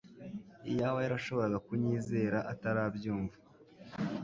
iyaba yarashoboraga kunyizera atarabyumva